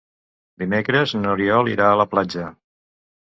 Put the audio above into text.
Dimecres n'Oriol irà a la platja.